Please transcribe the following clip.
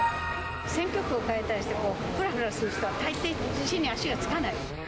選挙区を変えたりして、ふらふらする人は大抵地に足がつかない。